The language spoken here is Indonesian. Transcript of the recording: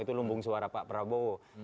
itu lumbung suara pak prabowo